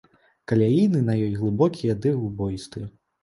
Каляіны на ёй глыбокія ды выбоістыя.